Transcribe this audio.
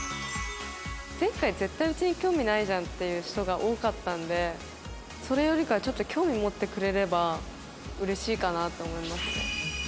前回絶対うちに興味ないじゃんっていう人が多かったんでそれよりかはちょっと興味持ってくれれば嬉しいかなと思いますね。